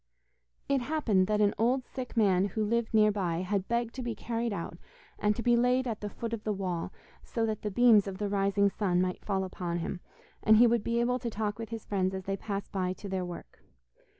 It happened that an old sick man who lived near by had begged to be carried out and to be laid at the foot of the wall so that the beams of the rising sun might fall upon him, and he would be able to talk with his friends as they passed by to their work.